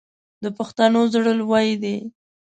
د پښتنو زړه لوی دی.